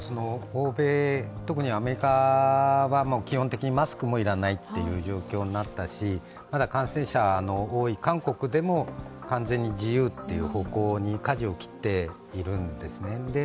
欧米、特にアメリカは基本的にマスクも要らない状況になったしまだ感染者の多い韓国でも完全に自由という方向にかじを切っているんですね。